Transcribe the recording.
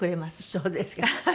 そうですか。